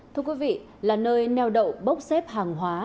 thưa quý vị là nơi neo đậu bốc xếp hàng hóa